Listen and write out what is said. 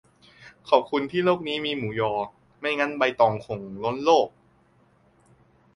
ขอบคุณที่โลกนี้มีหมูยอ ไม่งั้นใบตองคงล้นโลก